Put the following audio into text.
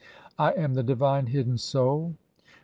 [I am] the divine hidden (3) Soul, who 1.